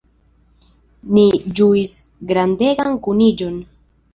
Ni ĝuis grandegan kuniĝon.